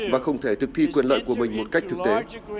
và không thể thực thi quyền lợi của mình một cách thực tế